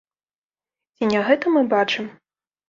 Ці не гэта мы бачым?